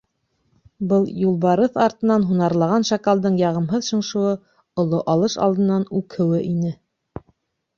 Был юлбарыҫ артынан һунарлаған шакалдың яғымһыҙ шыңшыуы, оло алыш алдынан үкһеүе ине.